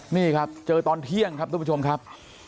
นี่ครับเจอตอนเที่ยงครับทุกผู้ชมครับ